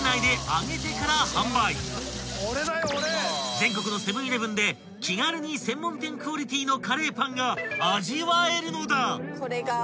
［全国のセブン−イレブンで気軽に専門店クオリティーのカレーパンが味わえるのだ］